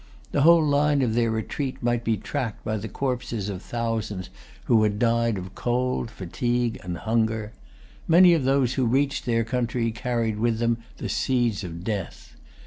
The whole line of their retreat might be tracked by the corpses of thousands who had died of cold, fatigue, and hunger. Many of those who reached their country carried with them the seeds of death.